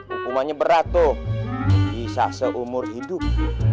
hukumannya berat tuh bisa seumur hidup